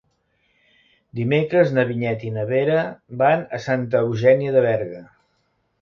Dimecres na Vinyet i na Vera van a Santa Eugènia de Berga.